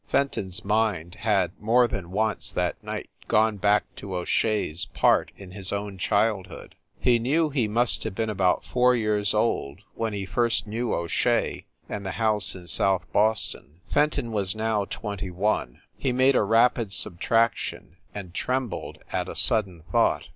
Fenton s mind had, more than once that night gone back to O Shea s part in his own childhood. He knew he must have been about four years old when he first knew O Shea and the house in South Boston. Fenton was now twenty one ; he made a rapid subtraction, and trem bled at a sudden thought.